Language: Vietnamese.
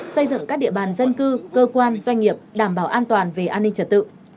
xây dựng các địa bàn dân cư cơ quan doanh nghiệp đảm bảo an toàn về an ninh trật tự